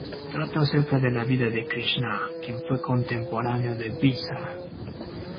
Trata acerca de la vida de Krisná, quien fue contemporáneo de Viasa.